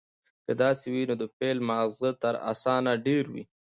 که داسې وي، نو د فيل ماغزه تر انسانه ډېر وي،